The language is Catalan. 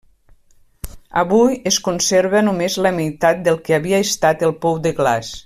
Avui es conserva només la meitat del que havia estat el pou de glaç.